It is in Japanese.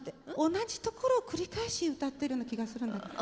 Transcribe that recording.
同じところを繰り返し歌ってるような気がするんだけど。